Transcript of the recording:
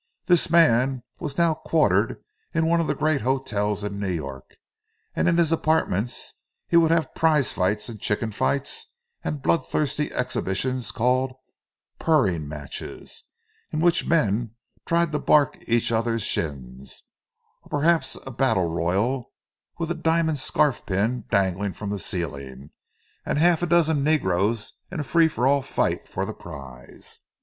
This man was now quartered in one of the great hotels in New York; and in his apartments he would have prize fights and chicken fights; and bloodthirsty exhibitions called "purring matches," in which men tried to bark each other's shins; or perhaps a "battle royal," with a diamond scarf pin dangling from the ceiling, and half a dozen negroes in a free for all fight for the prize.